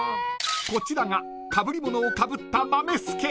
［こちらがかぶり物をかぶった豆助］